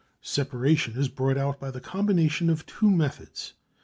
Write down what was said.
Separation is brought about by the combination of two methods.